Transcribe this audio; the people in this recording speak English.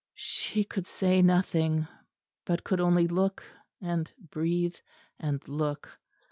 She could say nothing; but could only look, and breathe, and look.